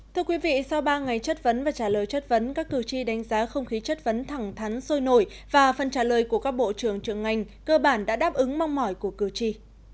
thưa quý vị sau ba ngày chất vấn và trả lời chất vấn các cử tri đánh giá không khí chất vấn thẳng thắn sôi nổi và phần trả lời của các bộ trưởng trưởng ngành cơ bản đã đáp ứng mong mỏi của cử tri